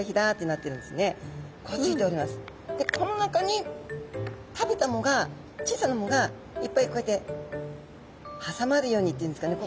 この中に食べた藻が小さな藻がいっぱいこうやってはさまるようにっていうんですかね